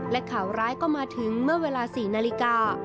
และข่าวร้ายก็มาถึงเมื่อเวลา๔นาฬิกา